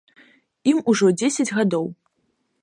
Ім ужо дзесяць гадоў.